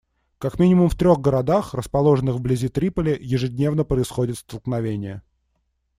Как минимум в трех городах, расположенных вблизи Триполи, ежедневно происходят столкновения.